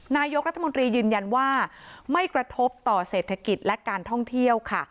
นายกรัฐมนตรียืนยันว่าไม่กระทบต่อเศรษฐกิจและการท่องเที่ยวค่ะ